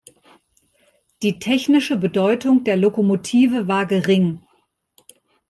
Die technische Bedeutung der Lokomotive war gering.